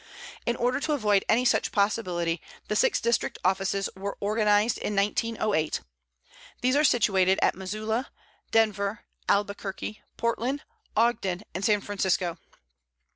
In order to avoid any such possibility the six District offices were organized in 1908. These are situated at Missoula, Denver, Albuquerque, Portland, Ogden, and San Francisco.